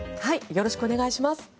よろしくお願いします。